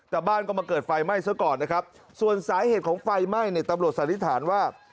แต่บ้านก็มาเกิดไฟไหม้ซะก่อนนะครับส่วนสาเหตุของไฟไหม้เนี่ยตำรวจสันนิษฐานว่า